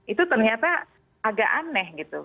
itu ternyata agak aneh gitu